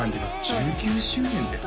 １９周年ですよ